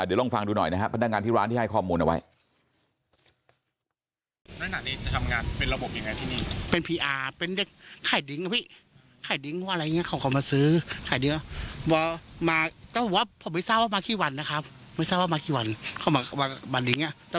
เดี๋ยวลองฟังดูหน่อยนะครับพนักงานที่ร้านที่ให้ข้อมูลเอาไว้